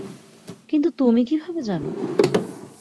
কিন্তু তুমি কীভাবে জানো?